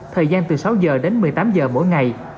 thời gian từ sáu giờ đến một mươi tám giờ mỗi ngày